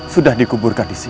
sudah dikuburkan disini